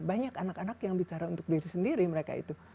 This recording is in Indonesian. banyak anak anak yang bicara untuk diri sendiri mereka itu